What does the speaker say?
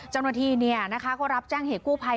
จำมาดีเนี้ยนะคะก็รับแจ้งเหตุกู้ภัย